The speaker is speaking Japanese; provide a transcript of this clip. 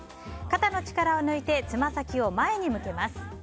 肩の力を抜いてつま先を前に向けます。